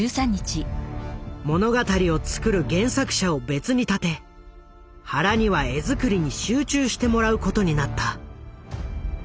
物語を作る原作者を別に立て原には絵作りに集中してもらうことになった。